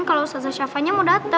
kalau saya nyamper tahu